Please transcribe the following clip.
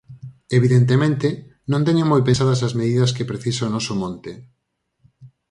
Evidentemente, non teñen moi pensadas as medidas que precisa o noso monte.